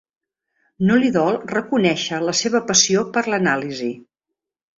No li dol reconèixer la seva passió per l'anàlisi.